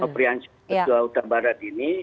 kopriansi kejuruteraan utabarat ini